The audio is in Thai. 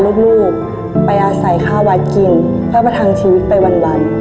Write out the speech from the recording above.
ลูกไปอาศัยข้าววัดกินเพื่อประทังชีวิตไปวัน